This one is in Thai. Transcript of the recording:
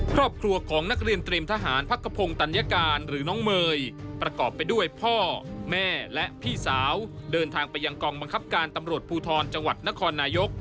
ครอบครัวของนักเรียนเตรียมทหารพักกระพงศ์ตัญญาการหรือน้องเมย์ประกอบไปด้วยพ่อแม่และพี่สาวเดินทางไปยังกองบังคับการตำรวจภูทรจังหวัดนครนายก